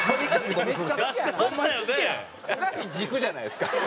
ふ菓子軸じゃないですか。